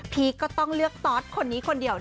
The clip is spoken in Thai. ก็ต้องเลือกตอสคนนี้คนเดียว